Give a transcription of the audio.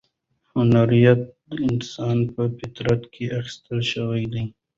هنریت د انسان په فطرت کې اخښل شوی دی.